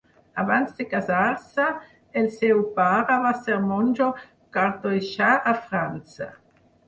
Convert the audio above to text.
Abans de casar-se, el seu pare va ser monjo cartoixà a França.